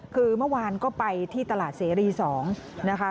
คือเมื่อวานก็ไปที่ตลาดเสรี๒นะคะ